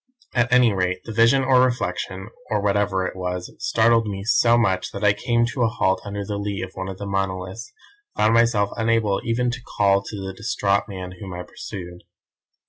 "At any rate the vision or reflection, or whatever it was, startled me so much that I came to a halt under the lee of one of the monoliths, and found myself unable even to call to the distraught man whom I pursued.